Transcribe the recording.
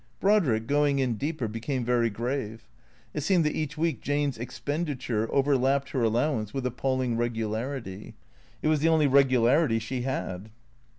Brodrick, going in deeper, became very grave. It seemed that each week Jane's expenditure overlapped her allowance with ap palling regularity. It was the only regularity she had.